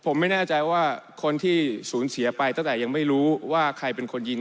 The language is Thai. ผมไม่แน่ใจว่าคนที่สูญเสียไปตั้งแต่ยังไม่รู้ว่าใครเป็นคนยิง